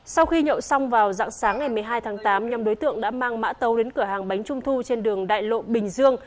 sau khi nhậu xong vào dạng sáng ngày một mươi hai tháng tám nhóm đối tượng đã mang mã tấu đến cửa hàng bánh trung thu trên đường đại lộ bình dương